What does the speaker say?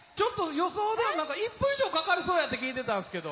予想では１分以上かかりそうだと聞いていたんですけれど。